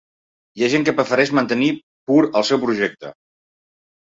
Hi ha gent que prefereix mantenir pur el seu projecte.